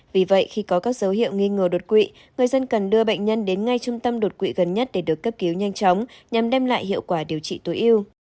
vì vậy khi có các dấu hiệu nghi ngờ đột quỵ người dân cần đưa bệnh nhân đến ngay trung tâm đột quỵ gần nhất để được cấp cứu nhanh chóng nhằm đem lại hiệu quả điều trị tối ưu